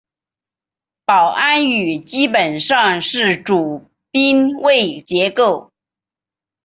保安语基本上是主宾谓结构。